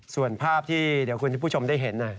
ส่วนภาพที่เดี๋ยวคุณผู้ชมได้เห็น